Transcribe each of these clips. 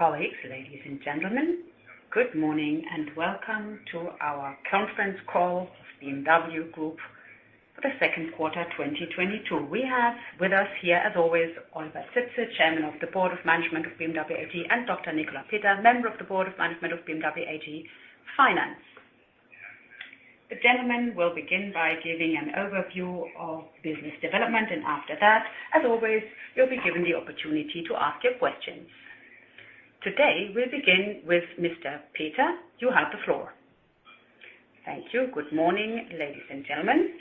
Colleagues, ladies and gentlemen, good morning and welcome to our conference call, BMW Group for the Second Quarter, 2022. We have with us here as always, Oliver Zipse, Chairman of the Board of Management of BMW AG, and Dr. Nicolas Peter, Member of the Board of Management of BMW AG, Finance. The gentlemen will begin by giving an overview of business development, and after that, as always, you'll be given the opportunity to ask your questions. Today, we begin with Mr. Peter. You have the floor. Thank you. Good morning, ladies and gentlemen.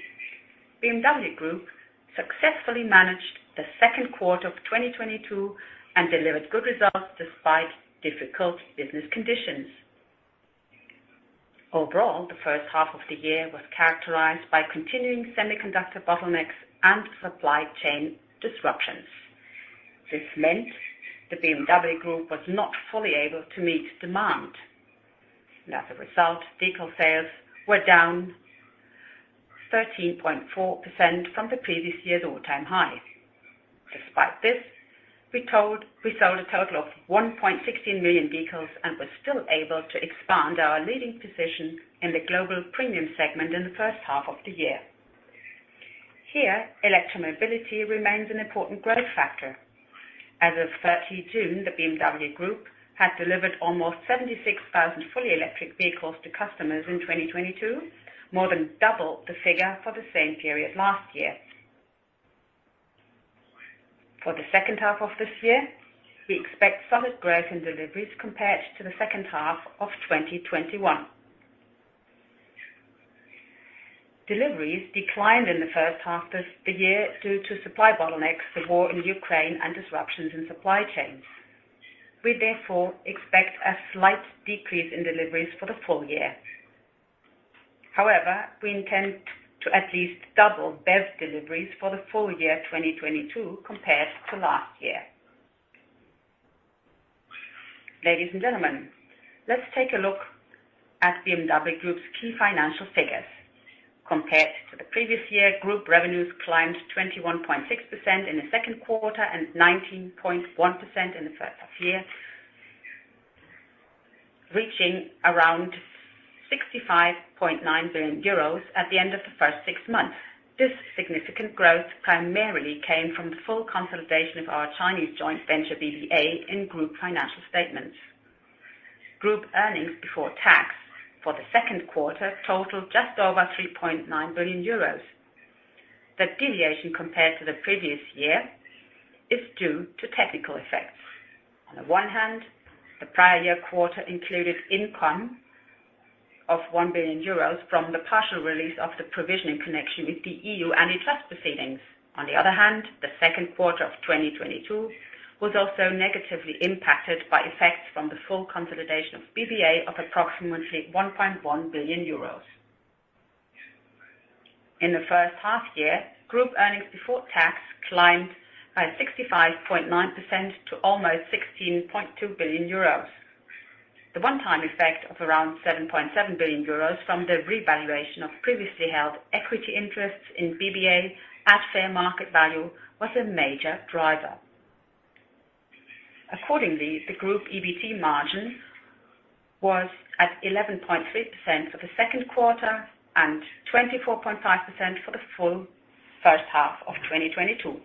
BMW Group successfully managed the second quarter of 2022 and delivered good results despite difficult business conditions. Overall, the first half of the year was characterized by continuing semiconductor bottlenecks and supply chain disruptions. This meant the BMW Group was not fully able to meet demand. As a result, vehicle sales were down 13.4% from the previous year's all-time high. Despite this, we sold a total of 1.16 million vehicles and were still able to expand our leading position in the global premium segment in the first half of the year. Here, electromobility remains an important growth factor. As of June 30, the BMW Group had delivered almost 76,000 fully electric vehicles to customers in 2022, more than double the figure for the same period last year. For the second half of this year, we expect solid growth in deliveries compared to the second half of 2021. Deliveries declined in the first half of the year due to supply bottlenecks, the war in Ukraine, and disruptions in supply chains. We therefore expect a slight decrease in deliveries for the full year. However, we intend to at least double best deliveries for the full year 2022 compared to last year. Ladies and gentlemen, let's take a look at BMW Group's key financial figures. Compared to the previous year, group revenues climbed 21.6% in the second quarter and 19.1% in the first half year, reaching around 65.9 billion euros at the end of the first six months. This significant growth primarily came from the full consolidation of our Chinese joint venture, BBA, in group financial statements. Group earnings before tax for the second quarter totaled just over 3.9 billion euros. The deviation compared to the previous year is due to technical effects. On the one hand, the prior year quarter included income of 1 billion euros from the partial release of the provision in connection with the EU antitrust proceedings. On the other hand, the second quarter of 2022 was also negatively impacted by effects from the full consolidation of BBA of approximately 1.1 billion euros. In the first half year, group earnings before tax climbed by 65.9% to almost 16.2 billion euros. The one-time effect of around 7.7 billion euros from the revaluation of previously held equity interests in BBA at fair market value was a major driver. Accordingly, the group EBT margin was at 11.3% for the second quarter and 24.5% for the full first half of 2022.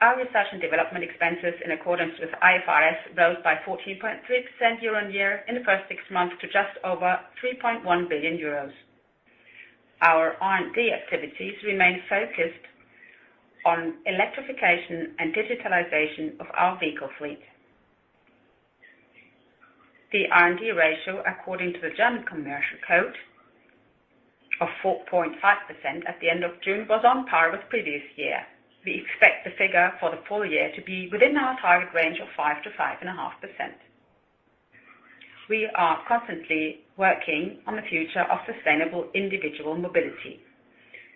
Our research and development expenses in accordance with IFRS rose by 14.3% year-on-year in the first six months to just over 3.1 billion euros. Our R&D activities remain focused on electrification and digitalization of our vehicle fleet. The R&D ratio, according to the German Commercial Code of 4.5% at the end of June, was on par with previous year. We expect the figure for the full year to be within our target range of 5%-5.5%. We are constantly working on the future of sustainable individual mobility.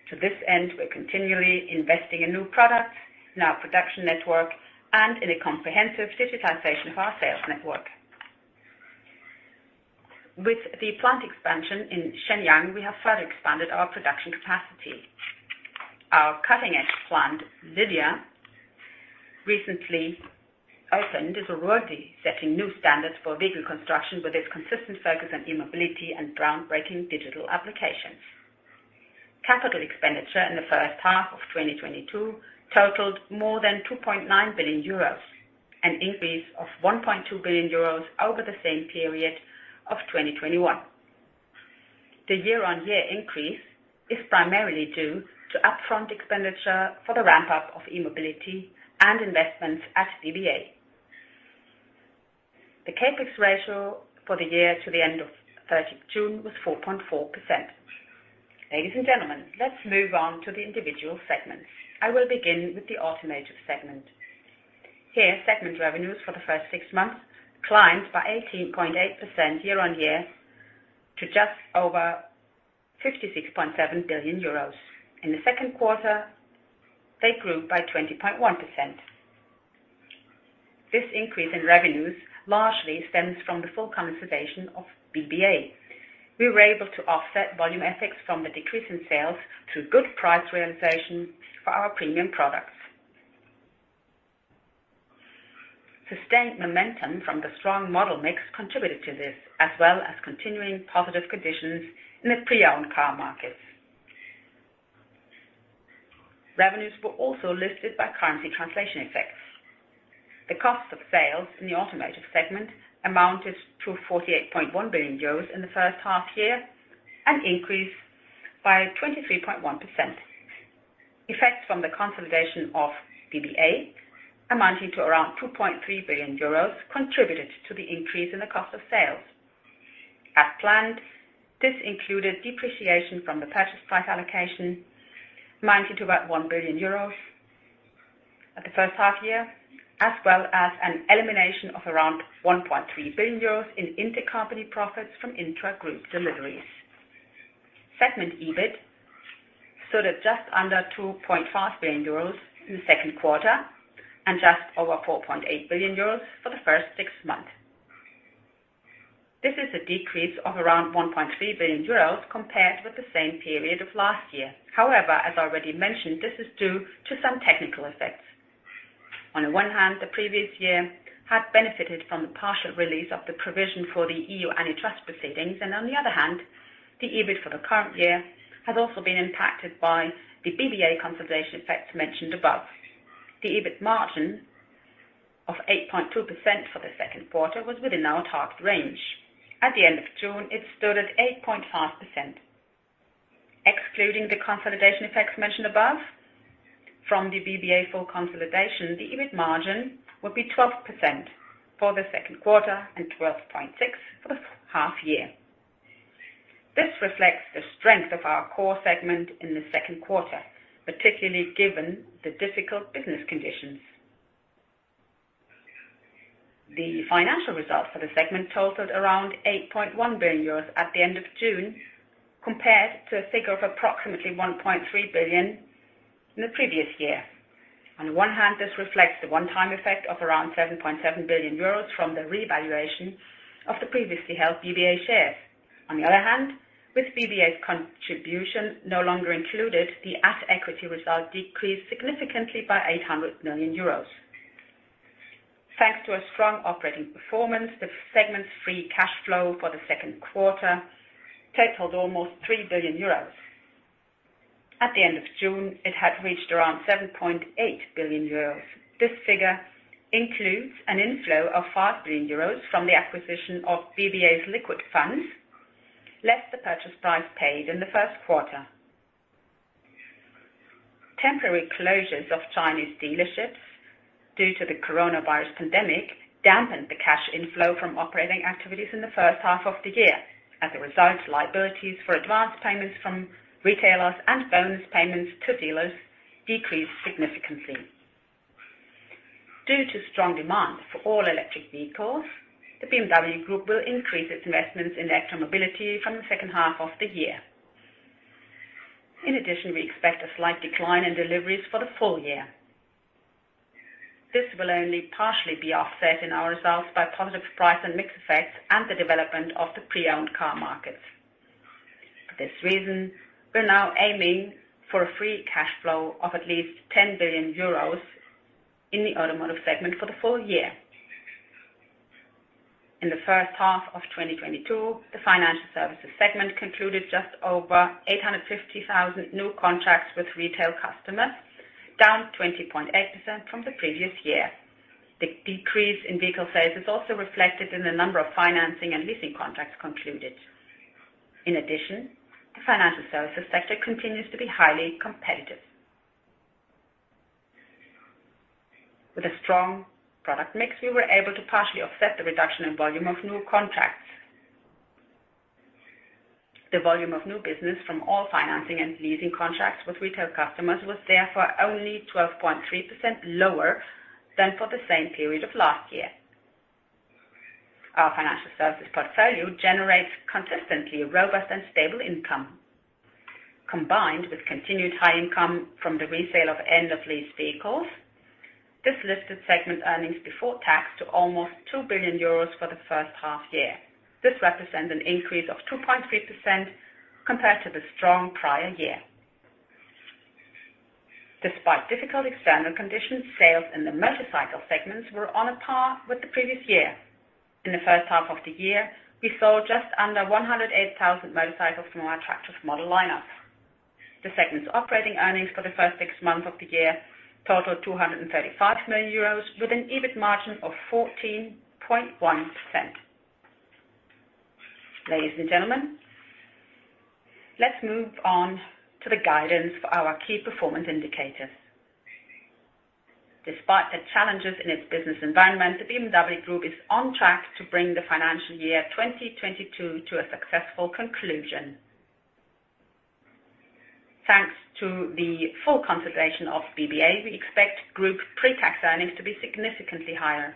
To this end, we're continually investing in new products in our production network and in a comprehensive digitization of our sales network. With the plant expansion in Shenyang, we have further expanded our production capacity. Our cutting-edge Plant Lydia, recently opened, is already setting new standards for vehicle construction with its consistent focus on e-mobility and groundbreaking digital applications. Capital expenditure in the first half of 2022 totaled more than 2.9 billion euros, an increase of 1.2 billion euros over the same period of 2021. The year-on-year increase is primarily due to upfront expenditure for the ramp-up of e-mobility and investments at BBA. The CapEx ratio for the year to the end of June 30 was 4.4%. Ladies and gentlemen, let's move on to the individual segments. I will begin with the automotive segment. Here, segment revenues for the first six months climbed by 18.8% year-on-year to just over 56.7 billion euros. In the second quarter, they grew by 20.1%. This increase in revenues largely stems from the full consolidation of BBA. We were able to offset volume effects from the decrease in sales through good price realization for our premium products. Sustained momentum from the strong model mix contributed to this, as well as continuing positive conditions in the pre-owned car markets. Revenues were also lifted by currency translation effects. The cost of sales in the automotive segment amounted to 48.1 billion euros in the first half year, an increase by 23.1%. Effects from the consolidation of BBA amounting to around 2.3 billion euros contributed to the increase in the cost of sales. As planned, this included depreciation from the purchase price allocation, amounting to about 1 billion euros at the first half year, as well as an elimination of around 1.3 billion euros in intercompany profits from intra-group deliveries. Segment EBIT stood at just under 2.5 billion euros in the second quarter and just over 4.8 billion euros for the first six months. This is a decrease of around 1.3 billion euros compared with the same period of last year. However, as already mentioned, this is due to some technical effects. On the one hand, the previous year had benefited from the partial release of the provision for the EU antitrust proceedings. On the other hand, the EBIT for the current year has also been impacted by the BBA consolidation effects mentioned above. The EBIT margin of 8.2% for the second quarter was within our target range. At the end of June, it stood at 8.5%. Excluding the consolidation effects mentioned above from the BBA full consolidation, the EBIT margin would be 12% for the second quarter and 12.6% for the half year. This reflects the strength of our core segment in the second quarter, particularly given the difficult business conditions. The financial results for the segment totaled around 8.1 billion euros at the end of June, compared to a figure of approximately 1.3 billion in the previous year. On one hand, this reflects the one-time effect of around 7.7 billion euros from the revaluation of the previously held BBA shares. On the other hand, with BBA's contribution no longer included, the at-equity result decreased significantly by 800 million euros. Thanks to a strong operating performance, the segment's free cash flow for the second quarter totaled almost 3 billion euros. At the end of June, it had reached around 7.8 billion euros. This figure includes an inflow of 5 billion euros from the acquisition of BBA's liquid funds, less the purchase price paid in the first quarter. Temporary closures of Chinese dealerships due to the coronavirus pandemic dampened the cash inflow from operating activities in the first half of the year. As a result, liabilities for advanced payments from retailers and bonus payments to dealers decreased significantly. Due to strong demand for all electric vehicles, the BMW Group will increase its investments in electro mobility from the second half of the year. In addition, we expect a slight decline in deliveries for the full year. This will only partially be offset in our results by positive price and mix effects and the development of the pre-owned car markets. For this reason, we're now aiming for a free cash flow of at least 10 billion euros in the automotive segment for the full year. In the first half of 2022, the financial services segment concluded just over 850,000 new contracts with retail customers, down 20.8% from the previous year. The decrease in vehicle sales is also reflected in the number of financing and leasing contracts concluded. In addition, the financial services sector continues to be highly competitive. With a strong product mix, we were able to partially offset the reduction in volume of new contracts. The volume of new business from all financing and leasing contracts with retail customers was therefore only 12.3% lower than for the same period of last year. Our financial services portfolio generates consistently robust and stable income. Combined with continued high income from the resale of end-of-lease vehicles, this lifted segment earnings before tax to almost 2 billion euros for the first half year. This represents an increase of 2.3% compared to the strong prior year. Despite difficult external conditions, sales in the Motorcycles segment were on par with the previous year. In the first half of the year, we sold just under 108,000 motorcycles from our attractive model lineup. The segment's operating earnings for the first six months of the year totaled 235 million euros, with an EBIT margin of 14.1%. Ladies and gentlemen, let's move on to the guidance for our key performance indicators. Despite the challenges in its business environment, the BMW Group is on track to bring the financial year 2022 to a successful conclusion. Thanks to the full consolidation of BBA, we expect group pre-tax earnings to be significantly higher.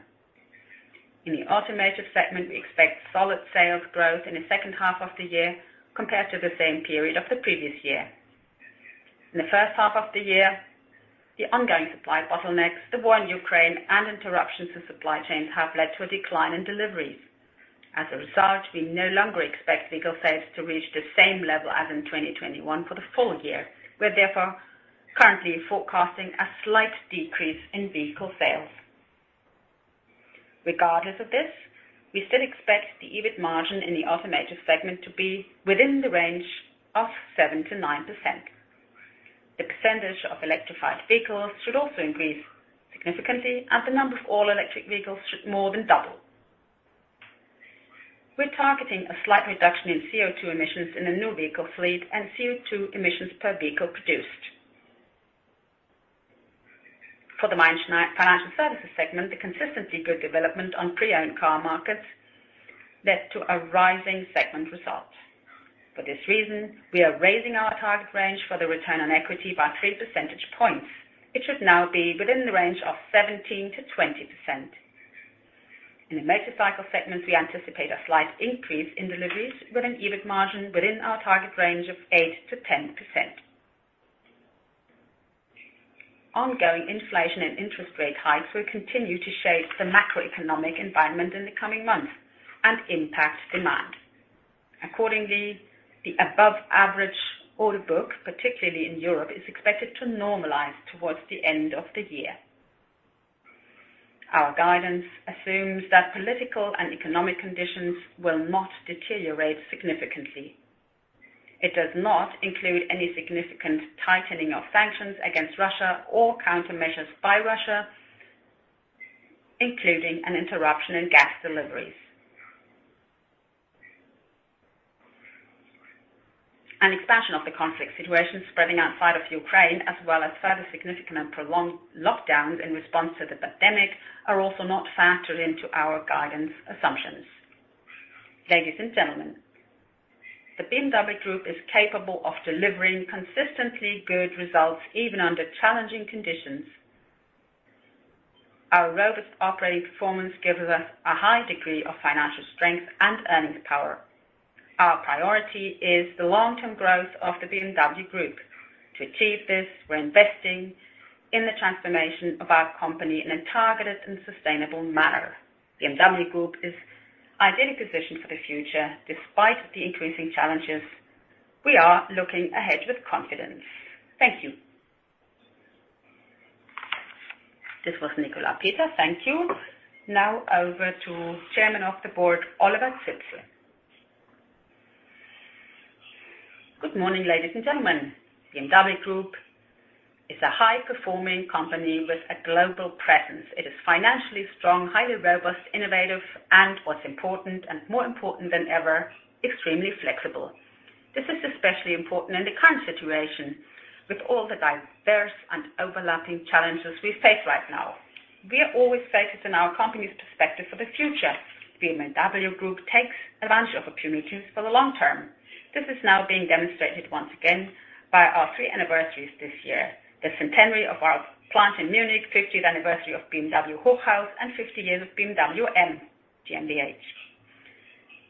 In the automotive segment, we expect solid sales growth in the second half of the year compared to the same period of the previous year. In the first half of the year, the ongoing supply bottlenecks, the war in Ukraine, and interruptions to supply chains have led to a decline in deliveries. As a result, we no longer expect vehicle sales to reach the same level as in 2021 for the full year. We're therefore currently forecasting a slight decrease in vehicle sales. Regardless of this, we still expect the EBIT margin in the Automotive segment to be within the range of 7%-9%. The percentage of electrified vehicles should also increase significantly, and the number of all-electric vehicles should more than double. We're targeting a slight reduction in CO2 emissions in the new vehicle fleet and CO2 emissions per vehicle produced. For the financial services segment, the consistently good development on pre-owned car markets led to a rising segment result. For this reason, we are raising our target range for the return on equity by three percentage points. It should now be within the range of 17%-20%. In the Motorcycle segment, we anticipate a slight increase in deliveries with an EBIT margin within our target range of 8%-10%. Ongoing inflation and interest rate hikes will continue to shape the macroeconomic environment in the coming months and impact demand. Accordingly, the above-average order book, particularly in Europe, is expected to normalize towards the end of the year. Our guidance assumes that political and economic conditions will not deteriorate significantly. It does not include any significant tightening of sanctions against Russia or countermeasures by Russia, including an interruption in gas deliveries. An expansion of the conflict situation spreading outside of Ukraine, as well as further significant and prolonged lockdowns in response to the pandemic are also not factored into our guidance assumptions. Ladies and gentlemen, the BMW Group is capable of delivering consistently good results, even under challenging conditions. Our robust operating performance gives us a high degree of financial strength and earnings power. Our priority is the long-term growth of the BMW Group. To achieve this, we're investing in the transformation of our company in a targeted and sustainable manner. BMW Group is ideally positioned for the future. Despite the increasing challenges, we are looking ahead with confidence. Thank you. This was Nicolas Peter. Thank you. Now over to Chairman of the Board, Oliver Zipse. Good morning, ladies and gentlemen. BMW Group is a high-performing company with a global presence. It is financially strong, highly robust, innovative, and what's important, and more important than ever, extremely flexible. This is especially important in the current situation with all the diverse and overlapping challenges we face right now. We are always focused on our company's perspective for the future. BMW Group takes advantage of opportunities for the long term. This is now being demonstrated once again by our three anniversaries this year, the centenary of our plant in Munich, 50th anniversary of BMW Hochhaus, and 50 years of BMW M GmbH.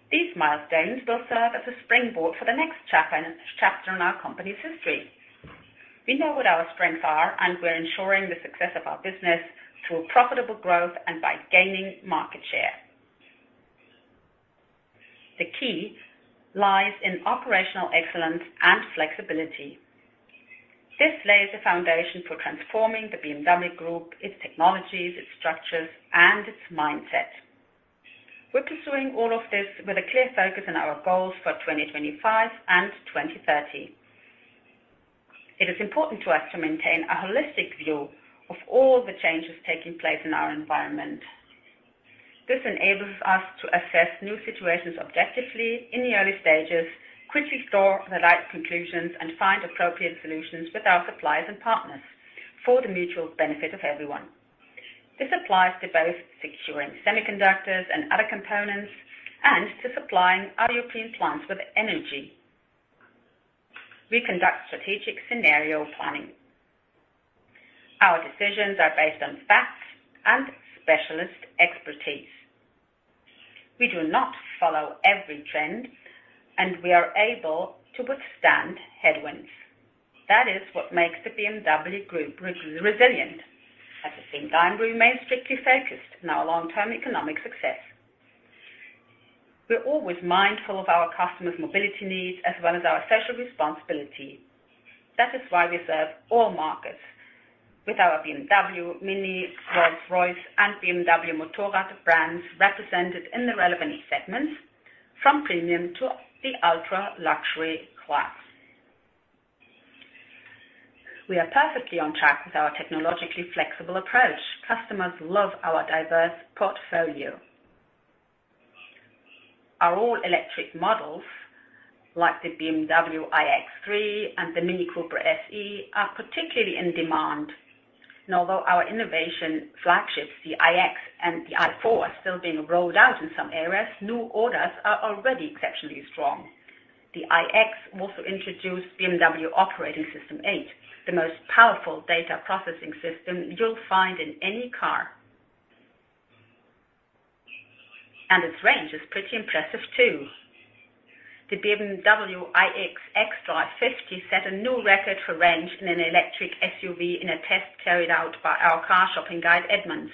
These milestones will serve as a springboard for the next chapter in our company's history. We know what our strengths are, and we're ensuring the success of our business through profitable growth and by gaining market share. The key lies in operational excellence and flexibility. This lays the foundation for transforming the BMW Group, its technologies, its structures, and its mindset. We're pursuing all of this with a clear focus on our goals for 2025 and 2030. It is important to us to maintain a holistic view of all the changes taking place in our environment. This enables us to assess new situations objectively in the early stages, quickly draw the right conclusions, and find appropriate solutions with our suppliers and partners for the mutual benefit of everyone. This applies to both securing semiconductors and other components, and to supplying our European plants with energy. We conduct strategic scenario planning. Our decisions are based on facts and specialist expertise. We do not follow every trend, and we are able to withstand headwinds. That is what makes the BMW Group resilient. At the same time, we remain strictly focused on our long-term economic success. We're always mindful of our customers' mobility needs as well as our social responsibility. That is why we serve all markets with our BMW, MINI, Rolls-Royce, and BMW Motorrad brands represented in the relevant segments, from premium to the ultra-luxury class. We are perfectly on track with our technologically flexible approach. Customers love our diverse portfolio. Our all-electric models, like the BMW iX3 and the MINI Cooper SE, are particularly in demand. Although our innovation flagships, the iX and the i4, are still being rolled out in some areas, new orders are already exceptionally strong. The iX also introduced BMW Operating System 8, the most powerful data processing system you'll find in any car. Its range is pretty impressive too. The BMW iX xDrive50 set a new record for range in an electric SUV in a test carried out by our car shopping guide, Edmunds.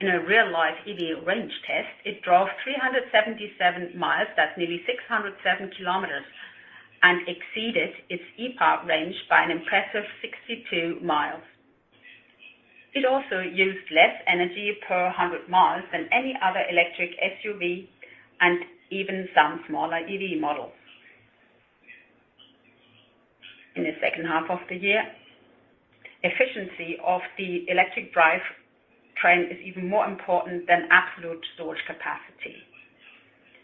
In a real-life EV range test, it drove 377 mi. That's nearly 607 km, and exceeded its EPA range by an impressive 62 mi. It also used less energy per 100 mi than any other electric SUV and even some smaller EV models. In the second half of the year, efficiency of the electric drive train is even more important than absolute storage capacity.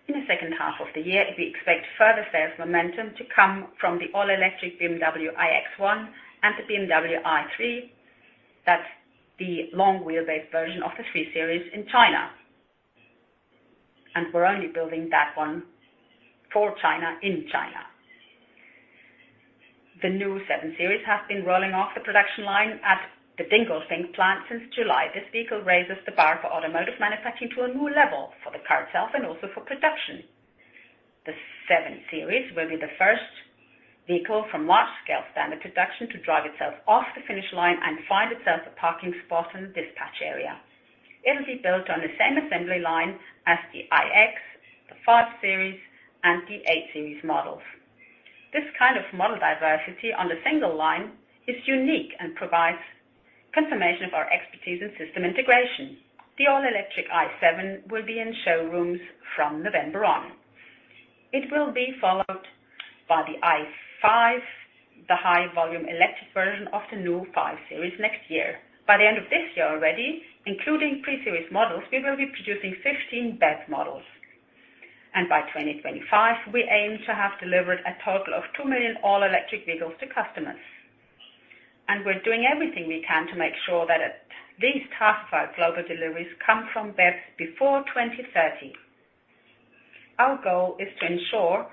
In the second half of the year, we expect further sales momentum to come from the all-electric BMW iX1 and the BMW i3. That's the long-wheelbase version of the 3 Series in China. We're only building that one for China, in China. The new 7 Series has been rolling off the production line at the Dingolfing plant since July. This vehicle raises the bar for automotive manufacturing to a new level for the car itself and also for production. The 7 Series will be the first vehicle from large-scale standard production to drive itself off the finish line and find itself a parking spot in the dispatch area. It'll be built on the same assembly line as the iX, the 5 Series, and the 8 Series models. This kind of model diversity on the single line is unique and provides confirmation of our expertise in system integration. The all-electric i7 will be in showrooms from November on. It will be followed by the i5, the high-volume electric version of the new 5 Series next year. By the end of this year already, including pre-series models, we will be producing 15 BEV models. By 2025, we aim to have delivered a total of 2 million all-electric vehicles to customers. We're doing everything we can to make sure that at least half of our global deliveries come from BEVs before 2030. Our goal is to ensure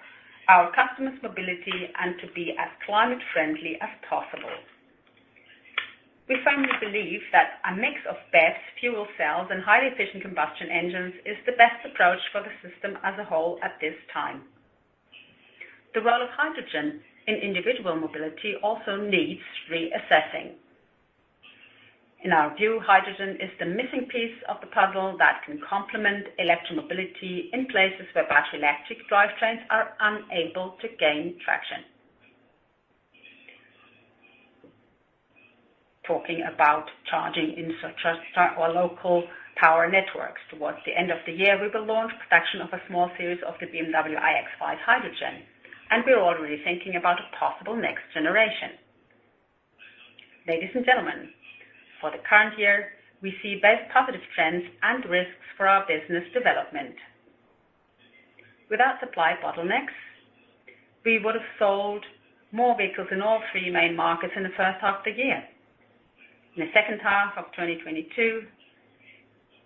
our customers' mobility and to be as climate friendly as possible. We firmly believe that a mix of BEVs, fuel cells, and highly efficient combustion engines is the best approach for the system as a whole at this time. The role of hydrogen in individual mobility also needs reassessing. In our view, hydrogen is the missing piece of the puzzle that can complement electric mobility in places where battery electric drivetrains are unable to gain traction. Talking about charging or local power networks, towards the end of the year, we will launch production of a small series of the BMW iX5 Hydrogen, and we're already thinking about a possible next generation. Ladies and gentlemen, for the current year, we see both positive trends and risks for our business development. Without supply bottlenecks, we would have sold more vehicles in all three main markets in the first half of the year. In the second half of 2022,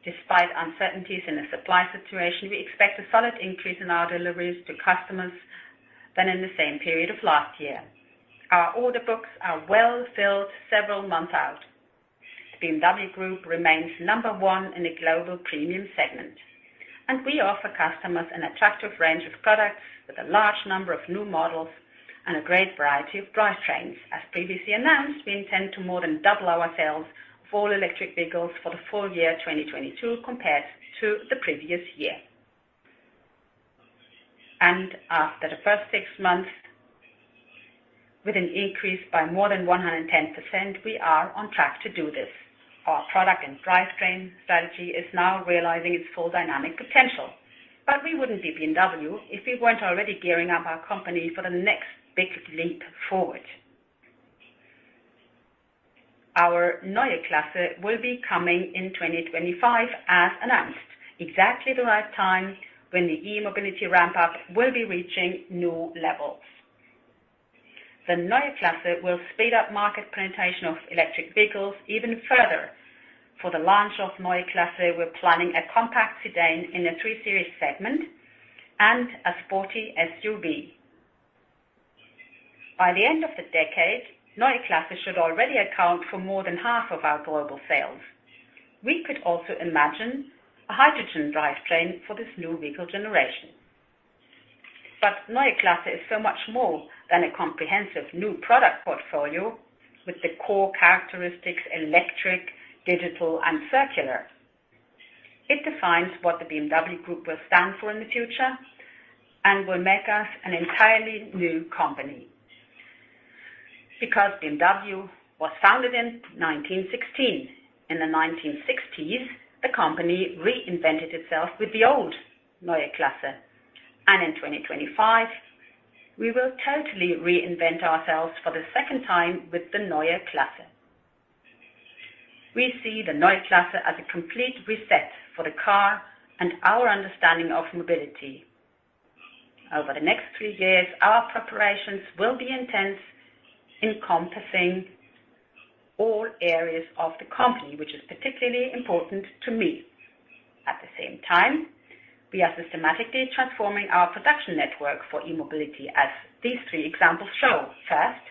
despite uncertainties in the supply situation, we expect a solid increase in our deliveries to customers than in the same period of last year. Our order books are well filled several months out. BMW Group remains number one in the global premium segment, and we offer customers an attractive range of products with a large number of new models and a great variety of drivetrains. As previously announced, we intend to more than double our sales of all-electric vehicles for the full year 2022 compared to the previous year. After the first six months, with an increase by more than 110%, we are on track to do this. Our product and drivetrain strategy is now realizing its full dynamic potential. We wouldn't be BMW if we weren't already gearing up our company for the next big leap forward. Our Neue Klasse will be coming in 2025 as announced, exactly the right time when the e-mobility ramp-up will be reaching new levels. The Neue Klasse will speed up market penetration of electric vehicles even further. For the launch of Neue Klasse, we're planning a compact sedan in the 3 Series segment and a sporty SUV. By the end of the decade, Neue Klasse should already account for more than half of our global sales. We could also imagine a hydrogen drivetrain for this new vehicle generation. Neue Klasse is so much more than a comprehensive new product portfolio with the core characteristics electric, digital, and circular. It defines what the BMW Group will stand for in the future and will make us an entirely new company. Because BMW was founded in 1916. In the 1960s, the company reinvented itself with the old Neue Klasse. In 2025, we will totally reinvent ourselves for the second time with the Neue Klasse. We see the Neue Klasse as a complete reset for the car and our understanding of mobility. Over the next three years, our preparations will be intense, encompassing all areas of the company, which is particularly important to me. At the same time, we are systematically transforming our production network for e-mobility, as these three examples show. First,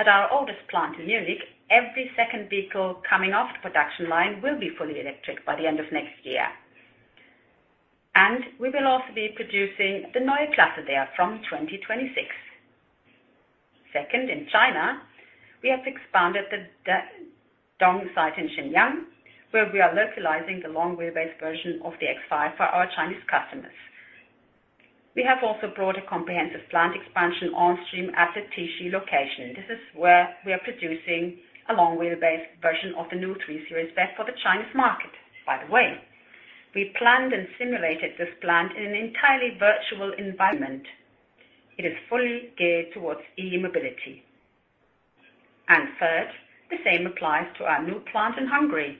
at our oldest plant in Munich, every second vehicle coming off the production line will be fully electric by the end of next year. We will also be producing the Neue Klasse there from 2026. Second, in China, we have expanded the Dadong site in Shenyang, where we are localizing the long wheelbase version of the X5 for our Chinese customers. We have also brought a comprehensive plant expansion onstream at the Tiexi location. This is where we are producing a long wheelbase version of the new 3 Series best for the Chinese market. By the way, we planned and simulated this plant in an entirely virtual environment. It is fully geared towards e-mobility. Third, the same applies to our new plant in Hungary,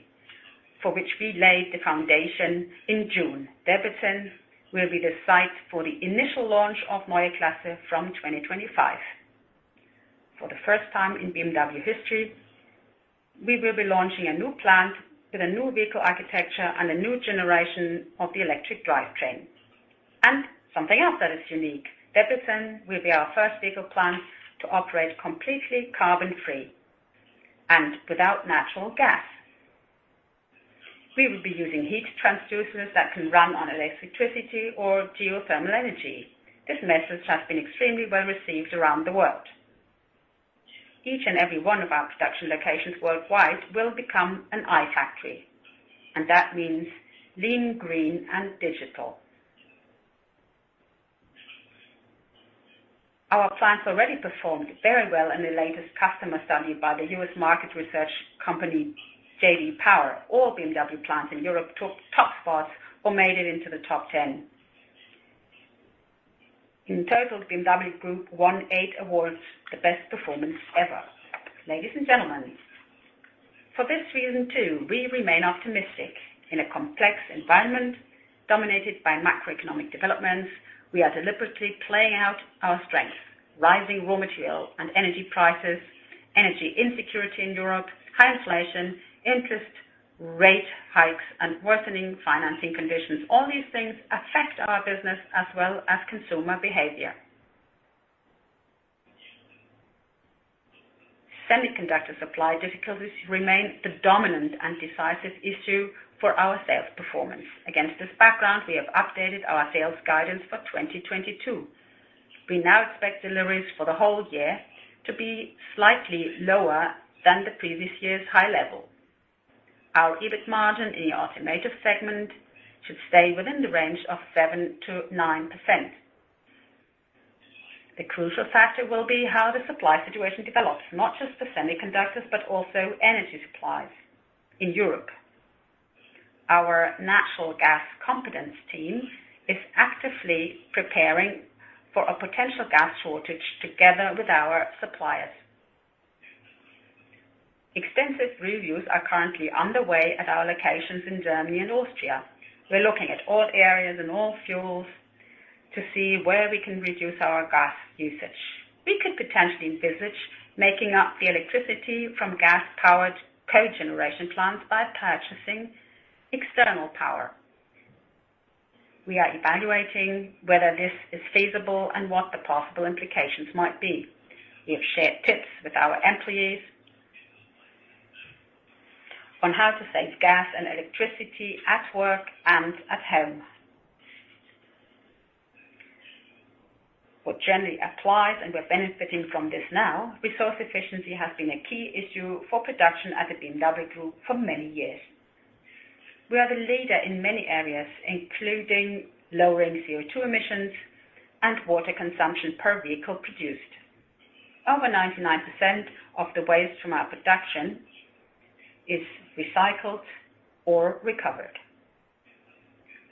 for which we laid the foundation in June. Debrecen will be the site for the initial launch of Neue Klasse from 2025. For the first time in BMW history, we will be launching a new plant with a new vehicle architecture and a new generation of the electric drivetrain. Something else that is unique. Debrecen will be our first vehicle plant to operate completely carbon-free and without natural gas. We will be using heat transducers that can run on electricity or geothermal energy. This message has been extremely well received around the world. Each and every one of our production locations worldwide will become an iFACTORY, and that means lean, green, and digital. Our plants already performed very well in the latest customer study by the U.S. market research company, J.D. Power. All BMW plants in Europe took top spots or made it into the top 10. In total, BMW Group won eight awards, the best performance ever. Ladies and gentlemen, for this reason too, we remain optimistic. In a complex environment dominated by macroeconomic developments, we are deliberately playing out our strength, rising raw material and energy prices, energy insecurity in Europe, high inflation, interest rate hikes, and worsening financing conditions. All these things affect our business as well as consumer behavior. Semiconductor supply difficulties remain the dominant and decisive issue for our sales performance. Against this background, we have updated our sales guidance for 2022. We now expect deliveries for the whole year to be slightly lower than the previous year's high level. Our EBIT margin in the automotive segment should stay within the range of 7%-9%. The crucial factor will be how the supply situation develops, not just for semiconductors, but also energy supplies in Europe. Our natural gas competence team is actively preparing for a potential gas shortage together with our suppliers. Extensive reviews are currently underway at our locations in Germany and Austria. We're looking at all areas and all fuels to see where we can reduce our gas usage. We could potentially envisage making up the electricity from gas-powered cogeneration plants by purchasing external power. We are evaluating whether this is feasible and what the possible implications might be. We have shared tips with our employees on how to save gas and electricity at work and at home. What generally applies, and we're benefiting from this now, resource efficiency has been a key issue for production at the BMW Group for many years. We are the leader in many areas, including lowering CO₂ emissions and water consumption per vehicle produced. Over 99% of the waste from our production is recycled or recovered.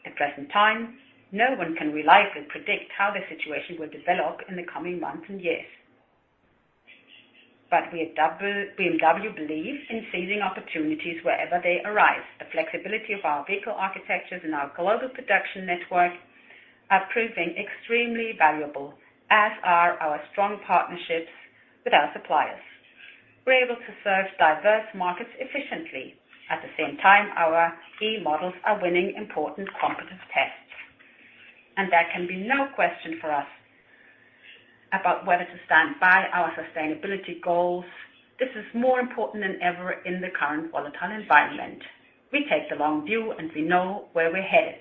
At present time, no one can reliably predict how the situation will develop in the coming months and years. We at BMW believe in seizing opportunities wherever they arise. The flexibility of our vehicle architectures and our global production network are proving extremely valuable, as are our strong partnerships with our suppliers. We're able to serve diverse markets efficiently. At the same time, our e-models are winning important competence tests, and there can be no question for us about whether to stand by our sustainability goals. This is more important than ever in the current volatile environment. We take the long view, and we know where we're headed.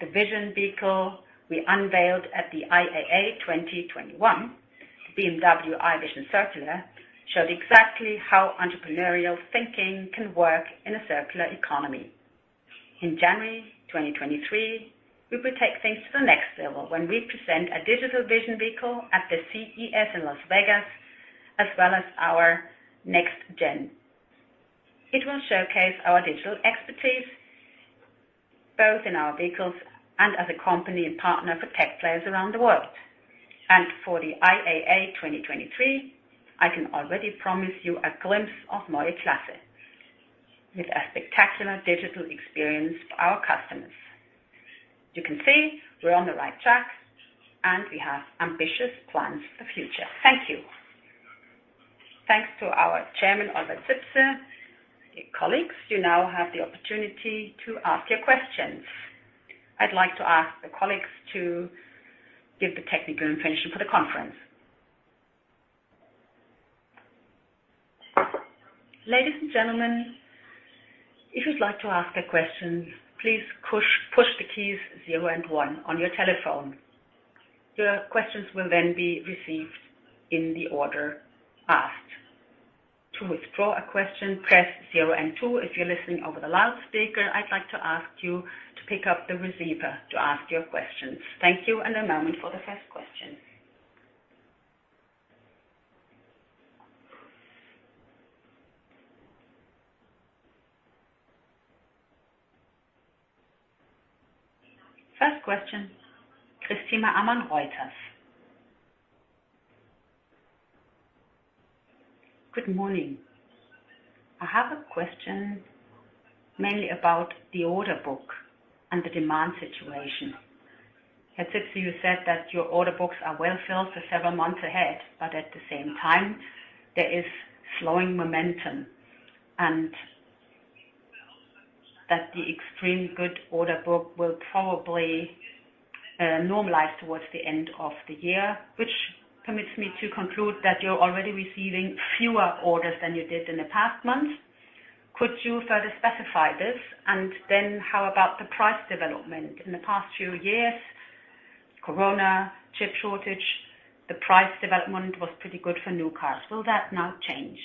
The vision vehicle we unveiled at the IAA 2021, BMW i Vision Circular, showed exactly how entrepreneurial thinking can work in a circular economy. In January 2023, we will take things to the next level when we present a digital vision vehicle at the CES in Las Vegas, as well as our next gen. It will showcase our digital expertise both in our vehicles and as a company and partner for tech players around the world. For the IAA 2023, I can already promise you a glimpse of Neue Klasse with a spectacular digital experience for our customers. You can see we're on the right track, and we have ambitious plans for future. Thank you. Thanks to our chairman, Oliver Zipse. Colleagues, you now have the opportunity to ask your questions. I'd like to ask the colleagues to give the technical information for the conference. Ladies and gentlemen, if you'd like to ask a question, please push the keys zero and one on your telephone. Your questions will then be received in the order asked. To withdraw a question, press zero and two. If you're listening over the loudspeaker, I'd like to ask you to pick up the receiver to ask your question. Thank you, and a moment for the first question. First question, Christina Amann, Reuters. Good morning. I have a question mainly about the order book and the demand situation. Herr Zipse, you said that your order books are well filled for several months ahead, but at the same time, there is slowing momentum, and that the extremely good order book will probably normalize towards the end of the year, which permits me to conclude that you're already receiving fewer orders than you did in the past months. Could you further specify this? How about the price development? In the past few years, Corona, chip shortage, the price development was pretty good for new cars. Will that now change?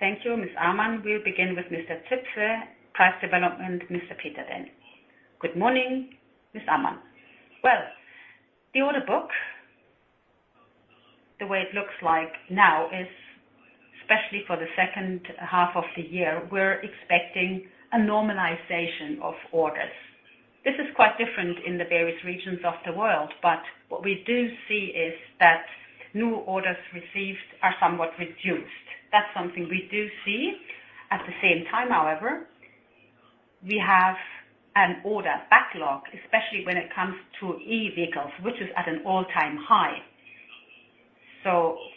Thank you, Ms. Amann. We'll begin with Mr. Zipse. Price development, Mr. Peter then. Good morning, Ms. Amann. Well, the order book, the way it looks like now is, especially for the second half of the year, we're expecting a normalization of orders. This is quite different in the various regions of the world, but what we do see is that new orders received are somewhat reduced. That's something we do see. At the same time, however, we have an order backlog, especially when it comes to e-vehicles, which is at an all-time high.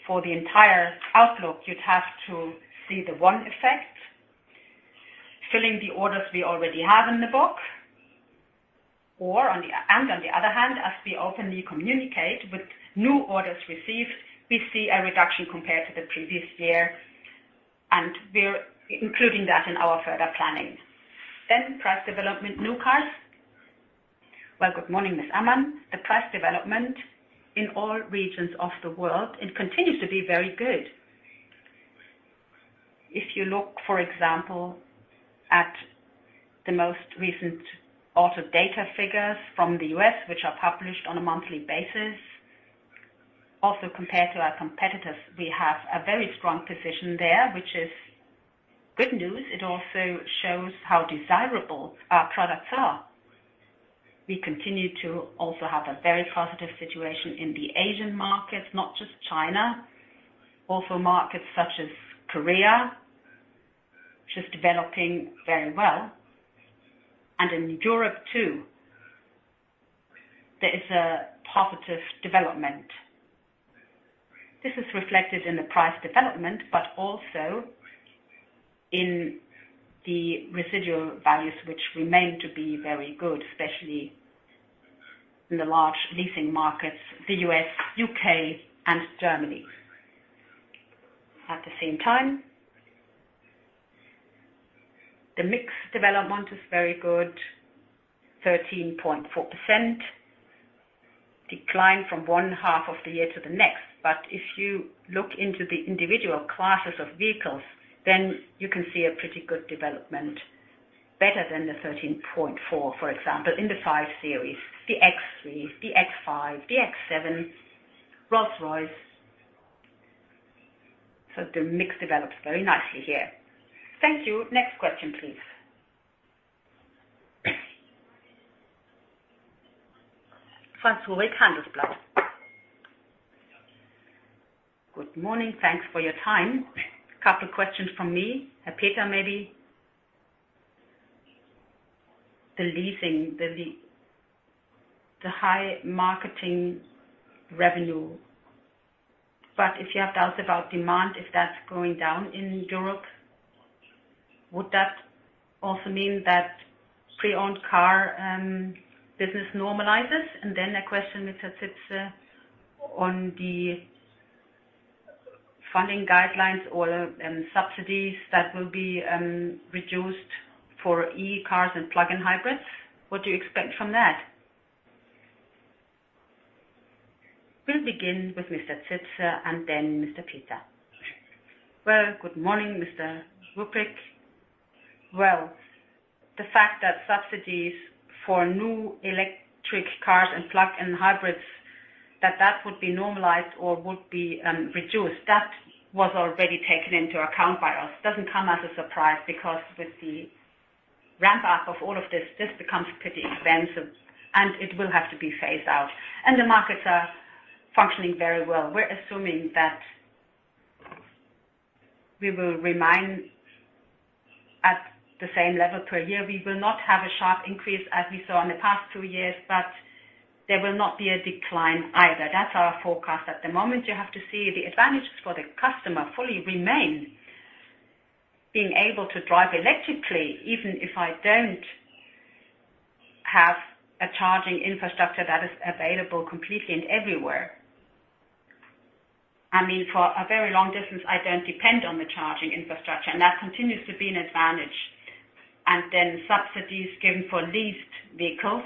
For the entire outlook, you'd have to see the one effect, filling the orders we already have in the book, and on the other hand, as we openly communicate with new orders received, we see a reduction compared to the previous year, and we're including that in our further planning. Price development new cars. Well, good morning, Ms. Amann. The price development in all regions of the world, it continues to be very good. If you look, for example, at the most recent auto data figures from the U.S., which are published on a monthly basis, also compared to our competitors, we have a very strong position there, which is good news. It also shows how desirable our products are. We continue to also have a very positive situation in the Asian markets, not just China, also markets such as Korea, which is developing very well. In Europe, too, there is a positive development. This is reflected in the price development, but also in the residual values, which remain to be very good, especially in the large leasing markets, the U.S., U.K. and Germany. At the same time, the mix development is very good, 13.4% decline from one half of the year to the next. If you look into the individual classes of vehicles, then you can see a pretty good development, better than the 13.4%, for example, in the 5 Series, the X3, the X5, the X7, Rolls-Royce. The mix develops very nicely here. Thank you. Next question, please. Franz Hubik, Handelsblatt. Good morning. Thanks for your time. A couple questions from me. Herr Peter, maybe. The leasing, the high marketing revenue. If you have doubts about demand, if that's going down in Europe, would that also mean that pre-owned car business normalizes? A question, Mr. Zipse, on the funding guidelines or subsidies that will be reduced for e-cars and plug-in hybrids. What do you expect from that? We'll begin with Mr. Zipse and then Mr. Peter. Well, good morning, Mr. Ruprecht. Well, the fact that subsidies for new electric cars and plug-in hybrids, that would be normalized or would be reduced, that was already taken into account by us. Doesn't come as a surprise because with the ramp up of all of this becomes pretty expensive and it will have to be phased out. The markets are functioning very well. We're assuming that we will remain at the same level per year. We will not have a sharp increase as we saw in the past two years, but there will not be a decline either. That's our forecast at the moment. You have to see the advantages for the customer fully remain being able to drive electrically, even if I don't have a charging infrastructure that is available completely and everywhere. I mean, for a very long distance, I don't depend on the charging infrastructure, and that continues to be an advantage. Subsidies given for leased vehicles,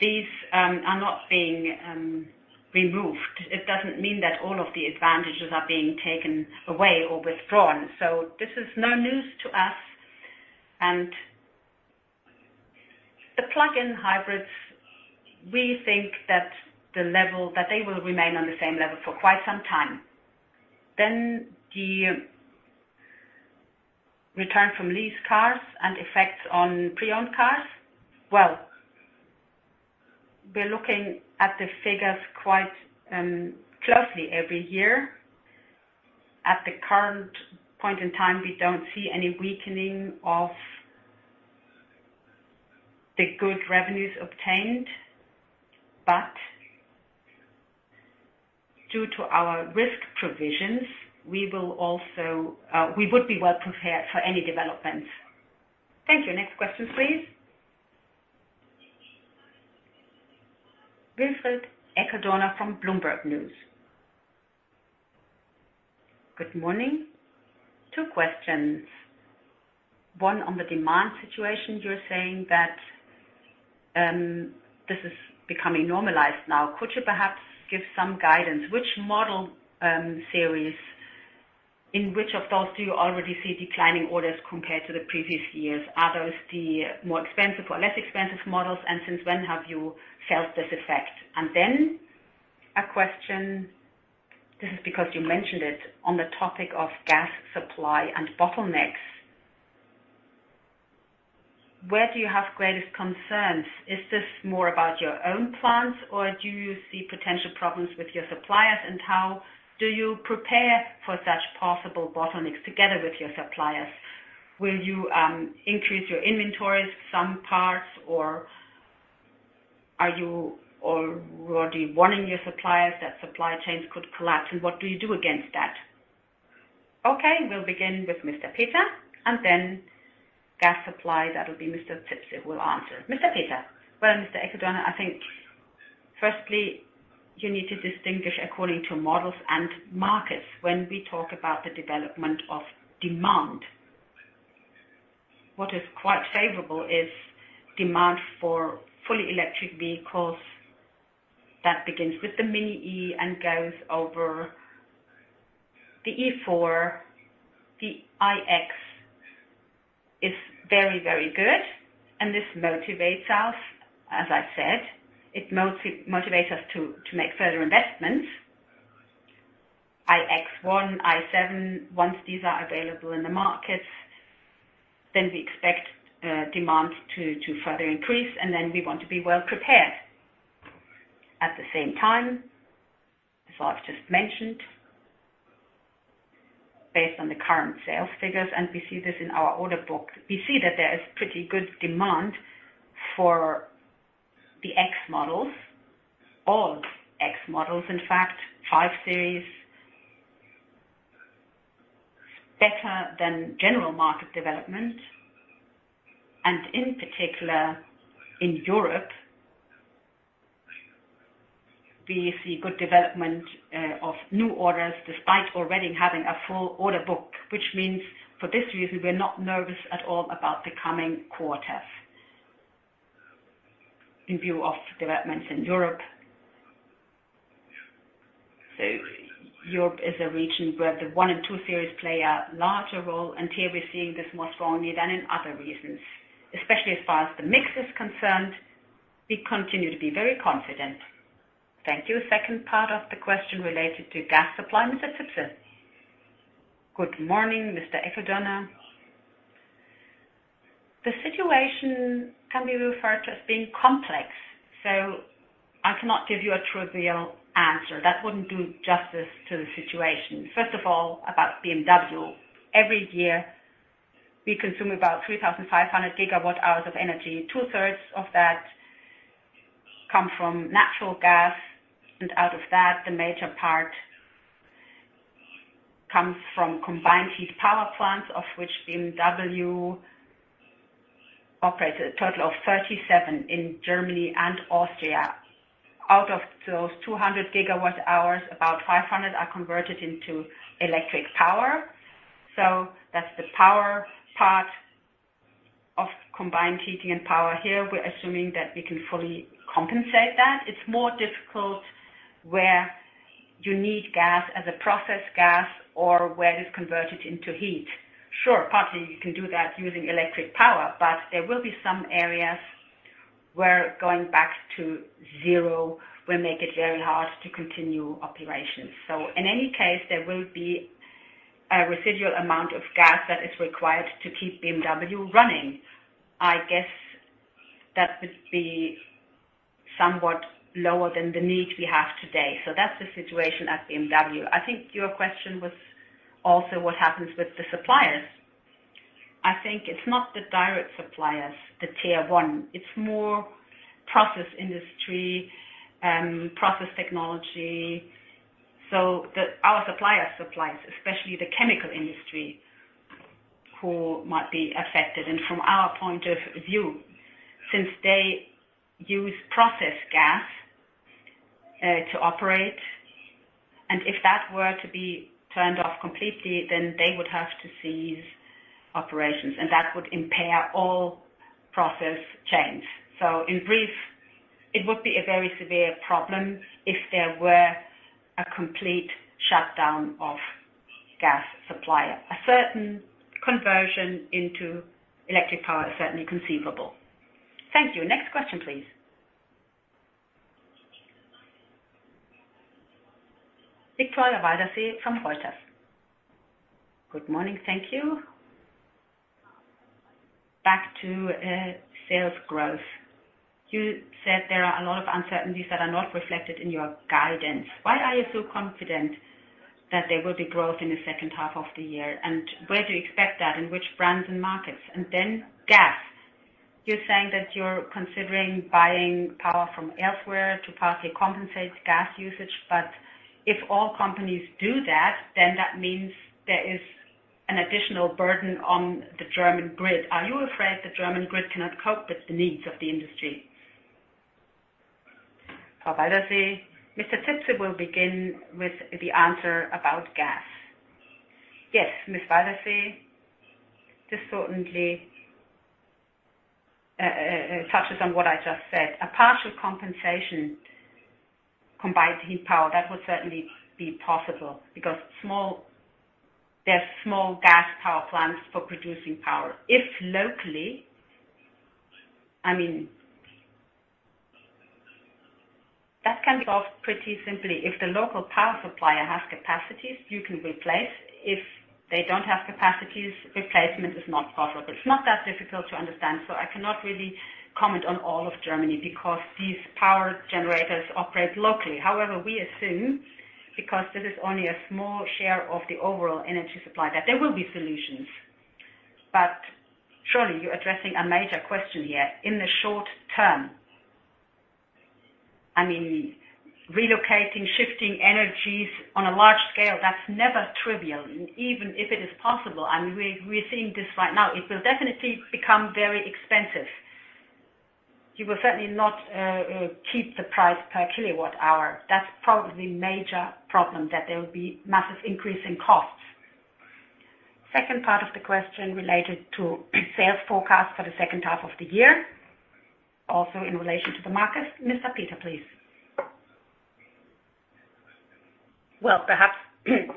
these are not being removed. It doesn't mean that all of the advantages are being taken away or withdrawn. This is no news to us. The plug-in hybrids, we think that the level that they will remain on the same level for quite some time. The return from leased cars and effects on pre-owned cars. Well, we're looking at the figures quite closely every year. At the current point in time, we don't see any weakening of the good revenues obtained, but due to our risk provisions, we would be well prepared for any developments. Thank you. Next question, please. Wilfried Eckl-Dorna from Bloomberg News. Good morning. Two questions. One, on the demand situation, you're saying that this is becoming normalized now. Could you perhaps give some guidance? Which model series, in which of those do you already see declining orders compared to the previous years? Are those the more expensive or less expensive models? And since when have you felt this effect? A question, this is because you mentioned it on the topic of gas supply and bottlenecks. Where do you have greatest concerns? Is this more about your own plants, or do you see potential problems with your suppliers? And how do you prepare for such possible bottlenecks together with your suppliers? Will you increase your inventories, some parts, or are you already warning your suppliers that supply chains could collapse? And what do you do against that? Okay, we'll begin with Mr. Peter, and then gas supply, that'll be Mr. Zipse will answer. Mr. Peter. Well, Mr. Eckl-Dorna, I think firstly, you need to distinguish according to models and markets when we talk about the development of demand. What is quite favorable is demand for fully electric vehicles. That begins with the MINI E and goes over the i4. The iX is very, very good, and this motivates us, as I said. It motivates us to make further investments. iX1, i7, once these are available in the markets, then we expect demand to further increase, and then we want to be well prepared. At the same time, as I've just mentioned, based on the current sales figures, and we see this in our order book, we see that there is pretty good demand for the X models. All X models, in fact, 5 Series. Better than general market development, and in particular in Europe, we see good development of new orders despite already having a full order book. Which means for this reason, we're not nervous at all about the coming quarters in view of developments in Europe. Europe is a region where the 1 Series and 2 Series play a larger role, and here we're seeing this more strongly than in other regions. Especially as far as the mix is concerned, we continue to be very confident. Thank you. Second part of the question related to gas supply, Mr. Zipse. Good morning, Mr. Eckl-Dorna. The situation can be referred to as being complex, so I cannot give you a trivial answer. That wouldn't do justice to the situation. First of all, about BMW. Every year we consume about 3,500 GWh of energy. Two-thirds of that come from natural gas, and out of that, the major part comes from combined heat power plants, of which BMW operates a total of 37 in Germany and Austria. Out of those 200 GWh, about 500 are converted into electric power. That's the power part of combined heating and power. Here we're assuming that we can fully compensate that. It's more difficult where you need gas as a process gas or where it is converted into heat. Sure, partly you can do that using electric power, but there will be some areas where going back to zero will make it very hard to continue operations. In any case, there will be a residual amount of gas that is required to keep BMW running. I guess that would be somewhat lower than the need we have today. That's the situation at BMW. I think your question was also what happens with the suppliers. I think it's not the direct suppliers, the tier one. It's more process industry, process technology. Our supplier suppliers, especially the chemical industry, who might be affected. From our point of view, since they use process gas to operate, and if that were to be turned off completely, then they would have to cease operations, and that would impair all process chains. In brief, it would be a very severe problem if there were a complete shutdown of gas supply. A certain conversion into electric power is certainly conceivable. Thank you. Next question, please. Victoria Waldersee from Reuters. Good morning. Thank you. Back to sales growth. You said there are a lot of uncertainties that are not reflected in your guidance. Why are you so confident that there will be growth in the second half of the year? And where do you expect that, in which brands and markets? And then gas. You're saying that you're considering buying power from elsewhere to partly compensate gas usage, but if all companies do that, then that means there is an additional burden on the German grid. Are you afraid the German grid cannot cope with the needs of the industry? For Waldersee, Mr. Zipse will begin with the answer about gas. Yes, Ms. Waldersee, this certainly touches on what I just said. A partial compensation, combined heat power, that would certainly be possible because there are small gas power plants for producing power. If locally, I mean, that can be solved pretty simply. If the local power supplier has capacities, you can replace. If they don't have capacities, replacement is not possible. It's not that difficult to understand, so I cannot really comment on all of Germany because these power generators operate locally. However, we assume, because this is only a small share of the overall energy supply, that there will be solutions. Surely, you're addressing a major question here. In the short term, I mean, relocating, shifting energies on a large scale, that's never trivial. Even if it is possible, I mean, we're seeing this right now. It will definitely become very expensive. You will certainly not keep the price per kilowatt hour. That's probably the major problem, that there will be massive increase in costs. Second part of the question related to sales forecast for the second half of the year, also in relation to the market. Mr. Peter, please. Well, perhaps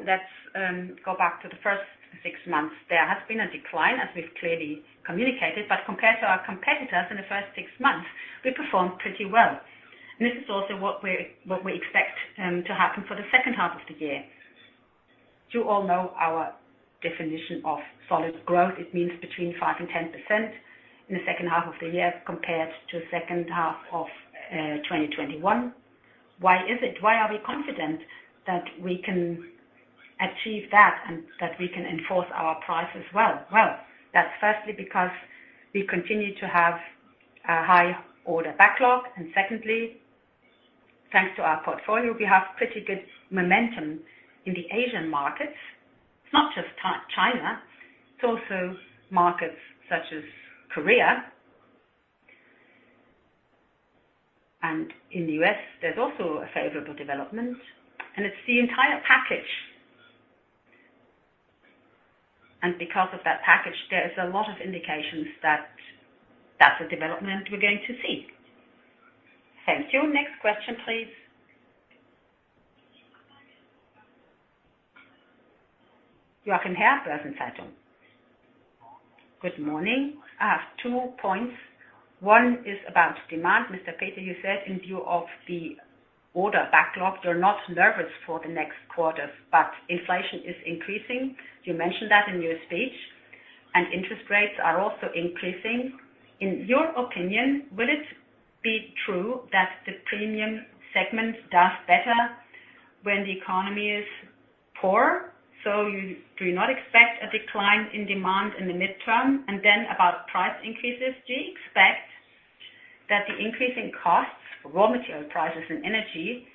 let's go back to the first six months. There has been a decline, as we've clearly communicated, but compared to our competitors in the first six months, we performed pretty well. This is also what we expect to happen for the second half of the year. You all know our definition of solid growth. It means between 5% and 10% in the second half of the year compared to second half of 2021. Why is it? Why are we confident that we can achieve that, and that we can enforce our price as well? Well, that's firstly because we continue to have a high order backlog. Secondly, thanks to our portfolio, we have pretty good momentum in the Asian markets. It's not just China, it's also markets such as Korea. In the U.S., there's also a favorable development, and it's the entire package. Because of that package, there is a lot of indications that that's a development we're going to see. Thank you. Next question, please. Joachim Herr, Börsen-Zeitung. Good morning. I have two points. One is about demand. Mr. Peter, you said in view of the order backlog, you're not nervous for the next quarters, but inflation is increasing. You mentioned that in your speech. Interest rates are also increasing. In your opinion, will it be true that the premium segment does better when the economy is poor? Do you not expect a decline in demand in the mid-term? About price increases, do you expect that the increase in costs, raw material prices, and energy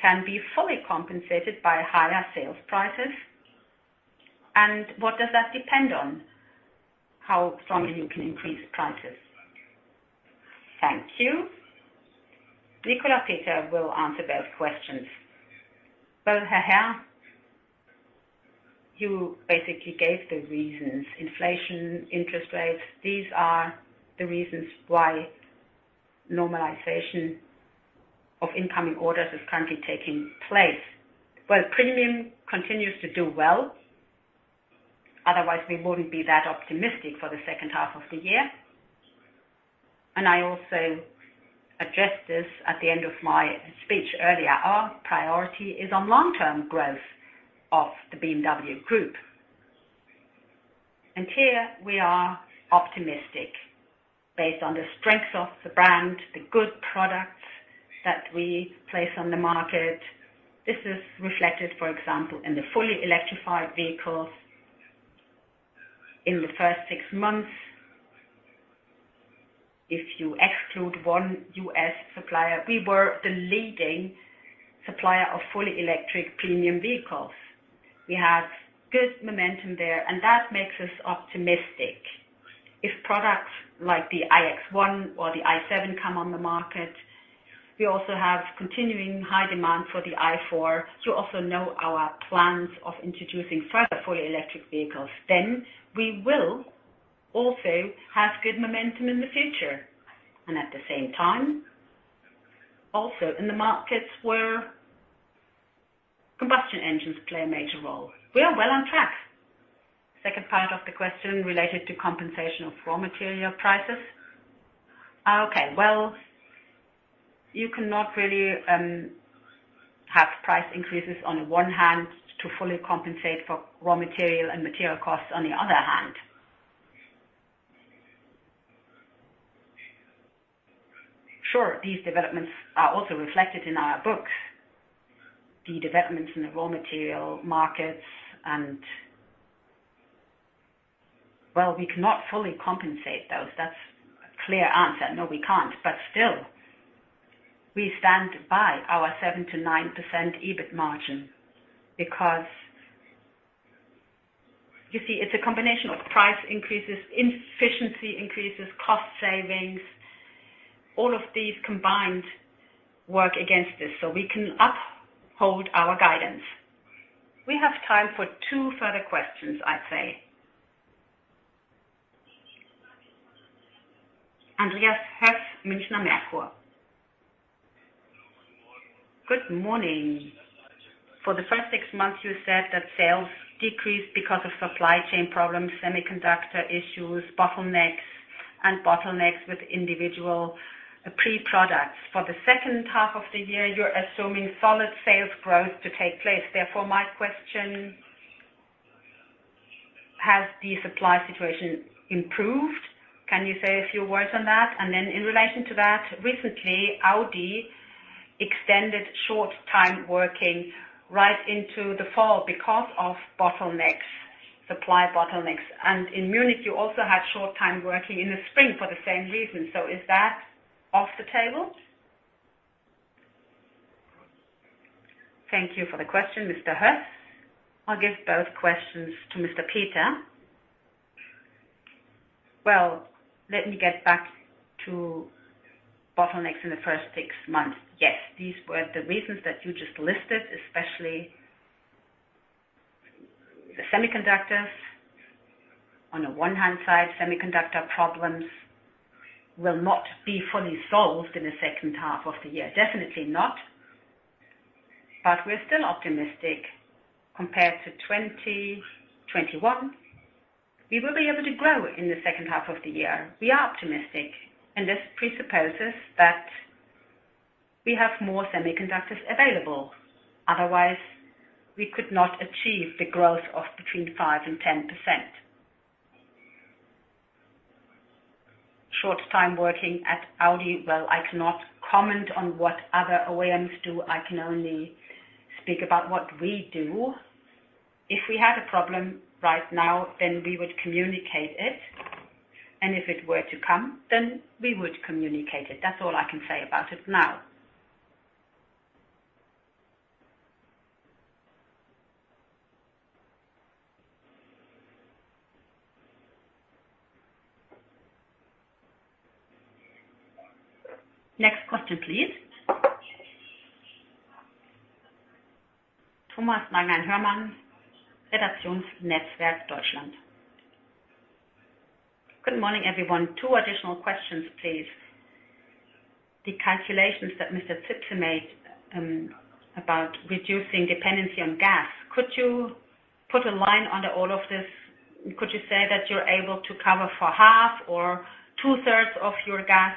can be fully compensated by higher sales prices? What does that depend on, how strongly you can increase prices? Thank you. Nicolas Peter will answer both questions. Well, Herr Herr, you basically gave the reasons. Inflation, interest rates, these are the reasons why normalization of incoming orders is currently taking place. Well, premium continues to do well, otherwise we wouldn't be that optimistic for the second half of the year. I also addressed this at the end of my speech earlier. Our priority is on long-term growth of the BMW Group. Here we are optimistic. Based on the strength of the brand, the good products that we place on the market. This is reflected, for example, in the fully electrified vehicles. In the first six months, if you exclude one U.S. supplier, we were the leading supplier of fully electric premium vehicles. We have good momentum there, and that makes us optimistic. If products like the iX1 or the i7 come on the market, we also have continuing high demand for the i4. You also know our plans of introducing further fully electric vehicles. We will also have good momentum in the future, and at the same time, also in the markets where combustion engines play a major role. We are well on track. Second part of the question related to compensation of raw material prices. Okay, well, you cannot really have price increases on the one hand to fully compensate for raw material and material costs on the other hand. Sure, these developments are also reflected in our books, the developments in the raw material markets. Well, we cannot fully compensate those. That's a clear answer. No, we can't. Still, we stand by our 7%-9% EBIT margin because, you see, it's a combination of price increases, efficiency increases, cost savings. All of these combined work against this. We can uphold our guidance. We have time for two further questions, I'd say. Andreas Hess, Münchner Merkur. Good morning. For the first six months, you said that sales decreased because of supply chain problems, semiconductor issues, bottlenecks with individual pre-products. For the second half of the year, you're assuming solid sales growth to take place. Therefore, my question, has the supply situation improved? Can you say a few words on that? In relation to that, recently, Audi extended short time working right into the fall because of supply bottlenecks. In Munich, you also had short time working in the spring for the same reason. Is that off the table? Thank you for the question, Mr. Hess. I'll give both questions to Mr. Peter. Well, let me get back to bottlenecks in the first six months. Yes, these were the reasons that you just listed, especially the semiconductors. On the one hand side, semiconductor problems will not be fully solved in the second half of the year. Definitely not. We're still optimistic compared to 2021. We will be able to grow in the second half of the year. We are optimistic, and this presupposes that we have more semiconductors available. Otherwise we could not achieve the growth of between 5% and 10%. Short time working at Audi. Well, I cannot comment on what other OEMs do. I can only speak about what we do. If we had a problem right now, then we would communicate it, and if it were to come, then we would communicate it. That's all I can say about it now. Next question, please. Thomas Mangan-Hermann, Redaktionsnetzwerk Deutschland. Good morning, everyone. Two additional questions, please. The calculations that Mr. Zipse made about reducing dependency on gas, could you put a line under all of this? Could you say that you're able to cover for 1/2 or 2/3 of your gas?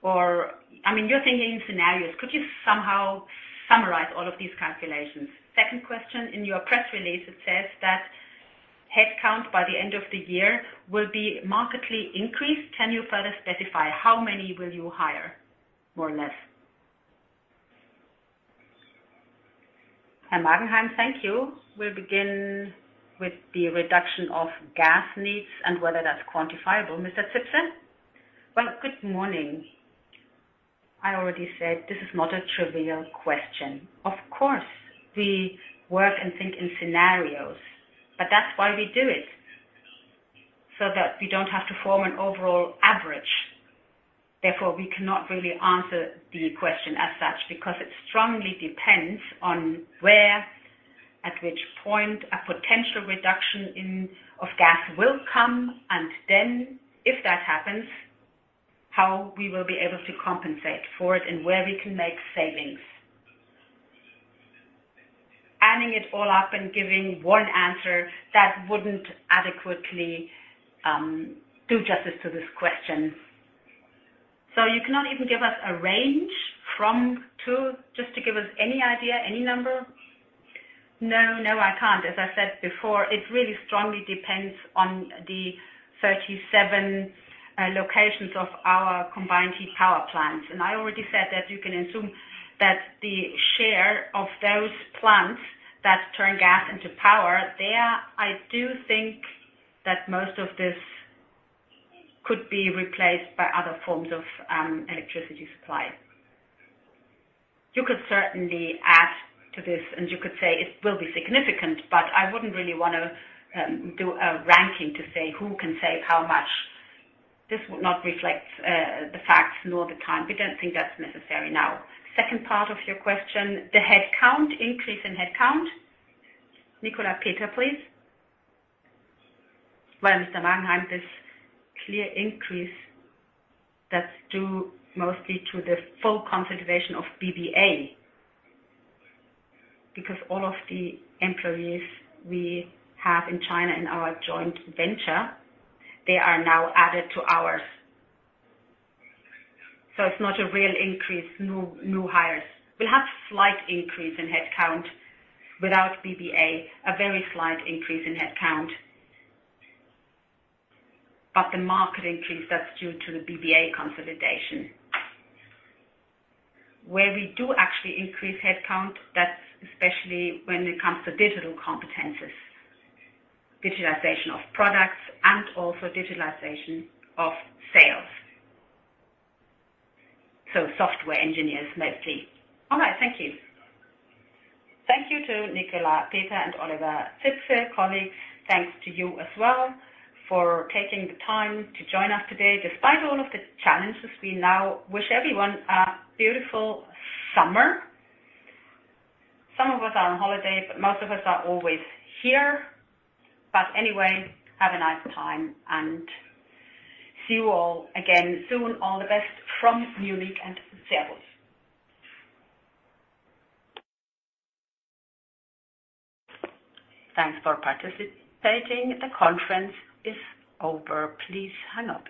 Or, I mean, you're thinking in scenarios. Could you somehow summarize all of these calculations? Second question, in your press release, it says that headcount by the end of the year will be markedly increased. Can you further specify how many will you hire, more or less? Herr Mangan-Hermann, thank you. We'll begin with the reduction of gas needs and whether that's quantifiable. Mr. Zipse? Well, good morning. I already said this is not a trivial question. Of course, we work and think in scenarios, but that's why we do it, so that we don't have to form an overall average. Therefore, we cannot really answer the question as such, because it strongly depends on where, at which point a potential reduction of gas will come, and then if that happens, how we will be able to compensate for it and where we can make savings. Adding it all up and giving one answer, that wouldn't adequately do justice to this question. You cannot even give us a range from, to, just to give us any idea, any number? No. No, I can't. As I said before, it really strongly depends on the 37 locations of our combined heat and power plants. I already said that you can assume that the share of those plants that turn gas into power, there, I do think that most of this could be replaced by other forms of electricity supply. You could certainly add to this, and you could say it will be significant, but I wouldn't really wanna do a ranking to say who can save how much. This would not reflect the facts nor the time. We don't think that's necessary now. Second part of your question, the headcount, increase in headcount. Nicolas Peter, please. Well, Mr. Mangan-Hermann, this clear increase that's due mostly to the full consolidation of BBA. Because all of the employees we have in China, in our joint venture, they are now added to ours. So it's not a real increase, no new hires. We'll have slight increase in headcount without BBA, a very slight increase in headcount. But the main increase, that's due to the BBA consolidation. Where we do actually increase headcount, that's especially when it comes to digital competencies, digitalization of products, and also digitalization of sales. Software engineers, mostly. All right. Thank you. Thank you to Nicolas Peter and Oliver Zipse. Colleagues, thanks to you as well for taking the time to join us today. Despite all of the challenges, we now wish everyone a beautiful summer. Some of us are on holiday, but most of us are always here. Anyway, have a nice time, and see you all again soon. All the best from Munich and Zipse. Thanks for participating. The conference is over. Please hang up.